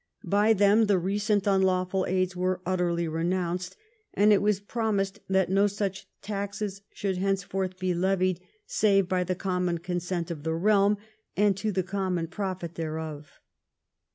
By them the recent unlawful aids were utterly renounced, and it was promised that no such taxes should henceforth be levied save by the common consent of the realm, and to the common profit thereof.